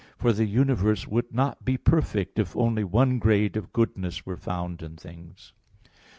For the universe would not be perfect if only one grade of goodness were found in things.